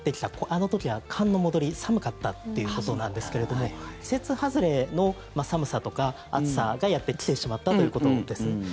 あの時は寒の戻り、寒かったということなんですけれども季節外れの寒さとか暑さがやってきてしまったということです。